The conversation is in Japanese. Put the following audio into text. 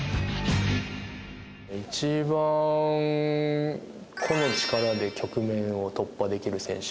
一番個の力で局面を突破できる選手。